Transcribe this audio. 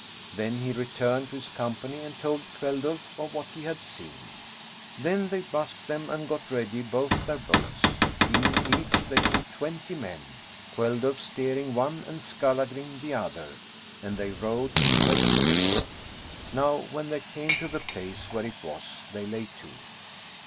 Then he returned to his company, and told Kveldulf of what he had seen .... Then they bnsked them and got ready both their boats ; in each they pat twenty men, Kveldulf steering one and Skallagrim the other, and they rowed in quest of the ship. Now when they came to the place where it was, they lay to.